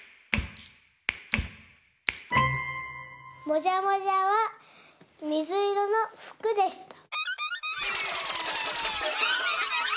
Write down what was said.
もじゃもじゃはみずいろのふくでした。